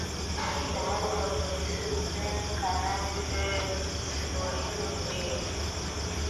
msemaji wa polisi hussen kanali felex kureithi j